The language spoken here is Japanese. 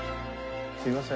すいません。